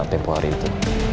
tempo hari itu